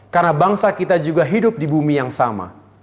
karena bangsa kita juga hidup di bumi yang sama